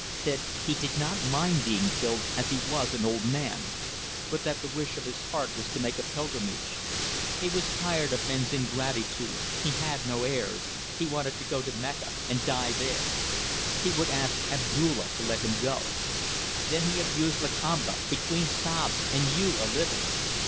Said he did not mind being killed, as he was an old man, but that the wish of his heart was to make a pilgrimage. He was tired of men's ingratitude he had no heirs he wanted to go to Mecca and die there. He would ask Abdulla to let him go. Then he abused Lakamba between sobs and you, a little.